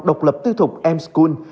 độc lập tư thụ m school